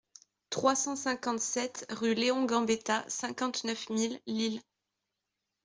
trois cent cinquante-sept rUE LEON GAMBETTA, cinquante-neuf mille Lille